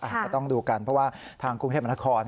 อาจจะต้องดูกันเพราะว่าทางกรุงเทพมหานคร